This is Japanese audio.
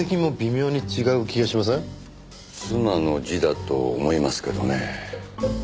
妻の字だと思いますけどね。